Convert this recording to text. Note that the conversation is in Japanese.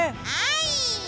はい！